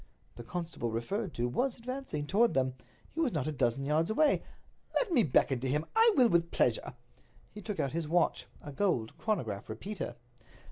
The constable referred to was advancing toward them—he was not a dozen yards away. "Let me beckon to him—I will with pleasure." He took out his watch—a gold chronograph repeater.